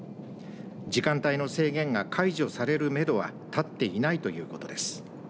時間帯の制限が解除されるめどは立っていないということです。